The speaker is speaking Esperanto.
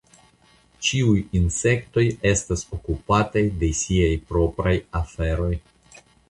Ĉiuj insektoj estas okupataj de siaj propraj aferoj.